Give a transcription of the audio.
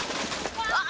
あっ！！